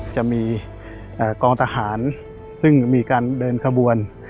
จะมีกองทหารซึ่งมีการเดินขบวน